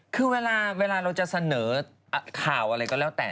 คือเวลาเราจะเสนอข่าวอะไรก็แล้วแต่